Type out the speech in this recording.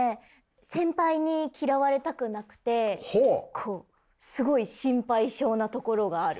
先輩に嫌われたくなくてこうすごい心配性なところがある。